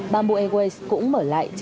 bamboo airways cũng mở lại